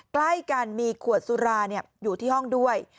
ใกล้กันมีขวดสุราอยู่ที่ห้องด้วย